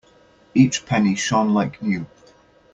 Each penny shone like new.